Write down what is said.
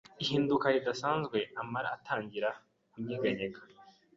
ihinduka ridasanzwe amara atangira kunyeganyega